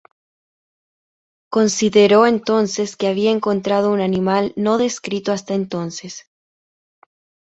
Consideró entonces que había encontrado un animal no descrito hasta entonces.